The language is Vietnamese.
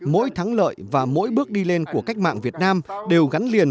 mỗi thắng lợi và mỗi bước đi lên của cách mạng việt nam đều gắn liền